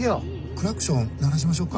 クラクション鳴らしましょうか？